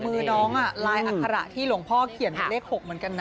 มือน้องลายอัคระที่หลวงพ่อเขียนเป็นเลข๖เหมือนกันนะ